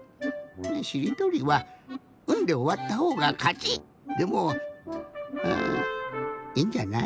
しりとりは「ん」でおわったほうがかちでもいいんじゃない？